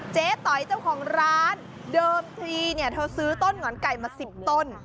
ต๋อยเจ้าของร้านเดิมทีเนี่ยเธอซื้อต้นหงอนไก่มา๑๐ต้น